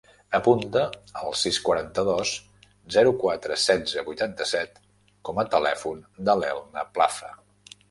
Apunta el sis, quaranta-dos, zero, quatre, setze, vuitanta-set com a telèfon de l'Elna Plaza.